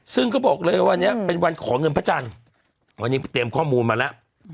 ซึ่งก็บอกเลยวันนี้เป็นวันขอเงินพระจันทร์วันนี้เตรียมข้อมูลมาแล้ว